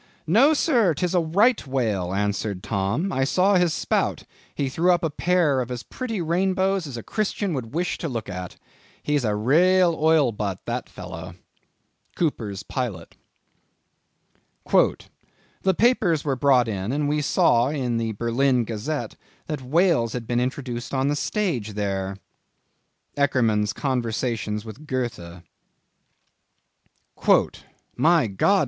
"No, Sir, 'tis a Right Whale," answered Tom; "I saw his sprout; he threw up a pair of as pretty rainbows as a Christian would wish to look at. He's a raal oil butt, that fellow!" —Cooper's Pilot. "The papers were brought in, and we saw in the Berlin Gazette that whales had been introduced on the stage there." —Eckermann's Conversations with Goethe. "My God!